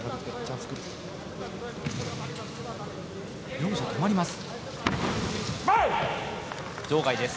両者、止まります。